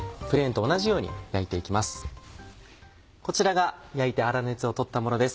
こちらが焼いて粗熱を取ったものです。